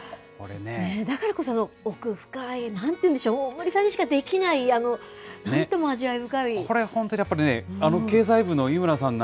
だからこそ奥深い、なんていうんでしょう、大森さんにしかできない、なんとも味わい深い。